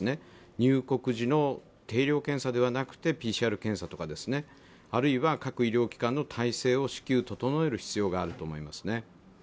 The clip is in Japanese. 入国時の定量検査ではなくてＰＣＲ検査ですとかあるいは各医療機関の体制を至急整える必要があると思いますね。